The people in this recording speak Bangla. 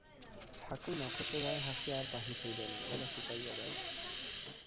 ঠাকুর নক্ষত্ররায়ের হাসি আর বাহির হইল না, গলা শুকাইয়া গেল।